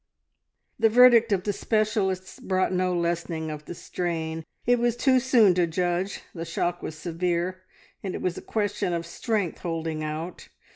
The verdict of the specialists brought no lessening of the strain. It was too soon to judge; the shock was severe, and it was a question of strength holding out.